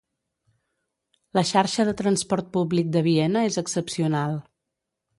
La xarxa de transport públic de Viena és excepcional.